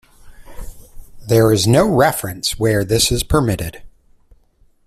There is no reference where this is permitted.